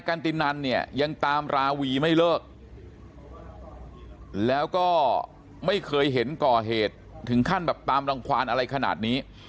กันตินันเนี่ยยังตามราวีไม่เลิกแล้วก็ไม่เคยเห็นก่อเหตุถึงขั้นแบบตามรังความอะไรขนาดนี้